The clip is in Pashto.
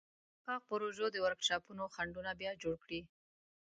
د نفاق پروژو د ورکشاپونو خنډونه بیا جوړ کړي.